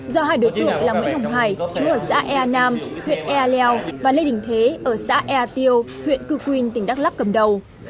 do hai đối tượng là nguyễn hồng hải chú ở xã ea nam huyện ea leo và lê đình thế ở xã ea tiêu huyện cư quyên tỉnh đắk lắc cầm đầu